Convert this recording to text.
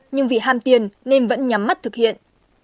nhưng vì ham tiền nên vẫn nhắm mắt thực hiện